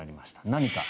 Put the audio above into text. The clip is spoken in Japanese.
何か。